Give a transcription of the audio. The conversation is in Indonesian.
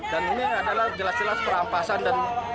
dan ini adalah jelas jelas perampasan dan hak asal